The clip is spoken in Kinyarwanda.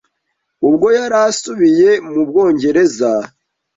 Ubwo yari asubiye mu Bwongereza,